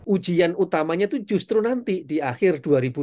ujian utamanya itu justru nanti di akhir dua ribu dua puluh